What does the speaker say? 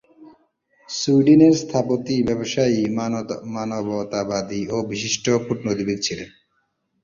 সুইডেনের স্থপতি, ব্যবসায়ী, মানবতাবাদী ও বিশিষ্ট কূটনীতিবিদ ছিলেন।